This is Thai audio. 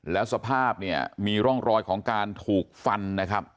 และสภาพมีร่องรอยของการถูกฟันนะครับ